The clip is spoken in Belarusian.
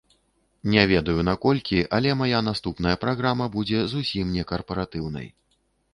Не ведаю, наколькі, але мая наступная праграма будзе зусім не карпаратыўнай.